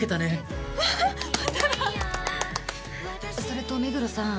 それと目黒さん。